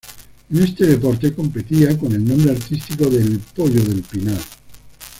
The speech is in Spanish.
En este deporte competía con el nombre artístico de "El Pollo del Pinar".